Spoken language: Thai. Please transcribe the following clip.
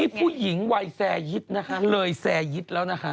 นี่ผู้หญิงวัยแสยิดนะครับเลยแสยิดแล้วนะครับ